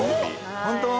本当？